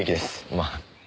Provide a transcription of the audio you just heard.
まあ。